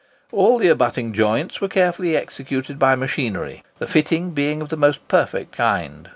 All the abutting joints were carefully executed by machinery, the fitting being of the most perfect kind.